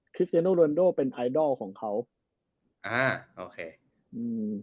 เซียโนรันโดเป็นไอดอลของเขาอ่าโอเคอืม